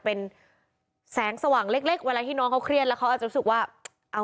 เป็นแสงสว่างเล็กเวลาที่น้องเขาเครียดแล้วเขาอาจจะรู้สึกว่าเอา